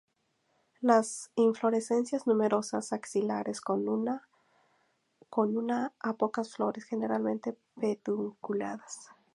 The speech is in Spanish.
Las inflorescencias numerosas axilares, con una a unas pocas flores, generalmente pedunculadas.